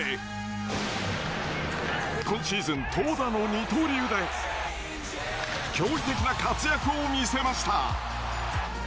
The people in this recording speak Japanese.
今シーズン投打の二刀流で驚異的な活躍を見せました。